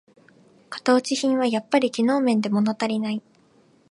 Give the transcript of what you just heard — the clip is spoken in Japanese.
型落ち品はやっぱり機能面でものたりない